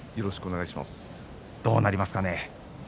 どうなりますかね？